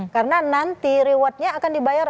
karena nanti rewardnya akan dibayar